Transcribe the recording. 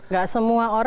nggak semua orang punya